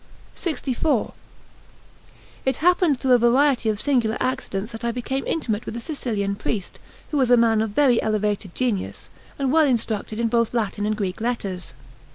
LXIV IT happened through a variety of singular accidents that I became intimate with a Sicilian priest, who was a man of very elevated genius and well instructed in both Latin and Greek letters.